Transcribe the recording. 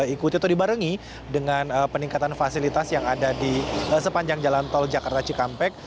ikuti atau dibarengi dengan peningkatan fasilitas yang ada di sepanjang jalan tol jakarta cikampek